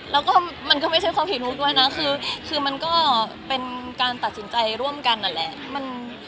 แล้วก็มันก็ไม่ใช่ความผิดลูกด้วยนะคือมันก็เป็นการตัดสินใจร่วมกันนั่นแหละ